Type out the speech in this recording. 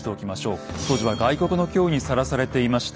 当時は外国の脅威にさらされていました。